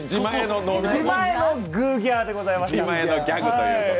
自前のグーギャーになります。